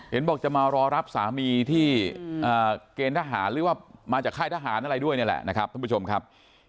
บอกจะมารอรับสามีที่เกณฑ์ทหารหรือว่ามาจากค่ายทหารอะไรด้วยนี่แหละนะครับท่านผู้ชมครับ